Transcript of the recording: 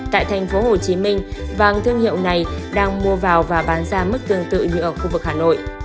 tại tp hcm vàng thương hiệu này đang mua vào và bán ra mức tương tự như ở khu vực hà nội